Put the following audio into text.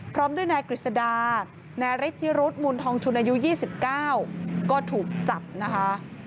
พร้อมด้วยนายกฤษดานายฤทธิรุธมูลทองชุนอายุ๒๙ก็ถูกจับนะคะ